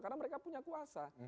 karena mereka punya kuasa